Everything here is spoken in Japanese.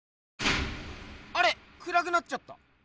あれ⁉くらくなっちゃった。